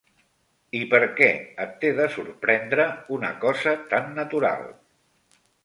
I per què et té de sorprendre una cosa tant natural?